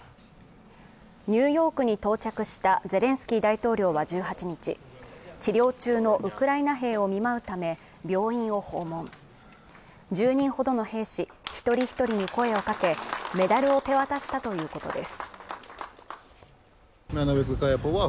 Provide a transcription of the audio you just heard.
ニューヨークに到着したゼレンスキー大統領は１８日治療中のウクライナ兵を見舞うため病院を訪問１０人ほどの兵士一人一人に声をかけメダルを手渡したということです